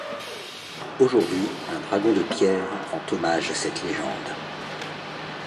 Aujourd'hui, un dragon de pierre rend hommage à cette légende.